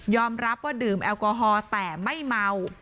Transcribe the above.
รับว่าดื่มแอลกอฮอล์แต่ไม่เมา